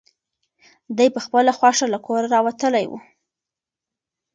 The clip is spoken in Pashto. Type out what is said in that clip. دی په خپله خوښه له کوره راوتلی و.